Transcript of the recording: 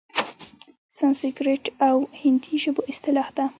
سنسکریت او هندي ژبو اصطلاح ده؛